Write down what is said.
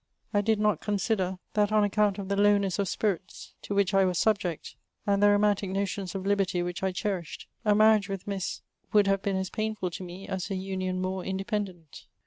I did not ccmsider, that on account of the low ness of spirits to which I was subject, and the romaatie notions of liberty which I cherished, a maniage with Miss would have bean as painful to me as » onion more independent.